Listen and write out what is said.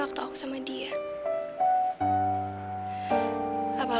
terusstones ga ada tanya tanya